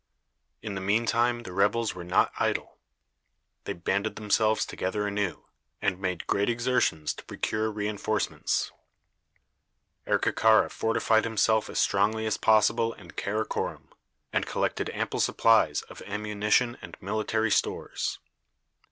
In the mean time the rebels were not idle. They banded themselves together anew, and made great exertions to procure re enforcements. Erkekara fortified himself as strongly as possible in Karakorom, and collected ample supplies of ammunition and military stores.